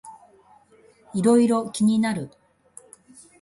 いろいろ気になる